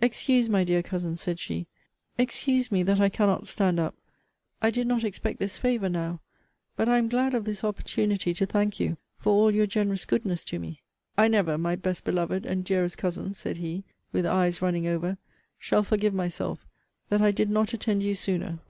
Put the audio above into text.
Excuse, my dear Cousin, said she, excuse me, that I cannot stand up I did not expect this favour now. But I am glad of this opportunity to thank you for all your generous goodness to me. I never, my best beloved and dearest Cousin, said he, (with eyes running over,) shall forgive myself, that I did not attend you sooner.